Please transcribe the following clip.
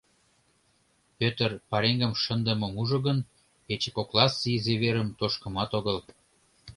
Пӧтыр пареҥгым шындымым ужо гын, пече кокласе изи верым тошкымат огыл.